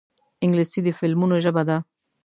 انګلیسي د فلمونو ژبه ده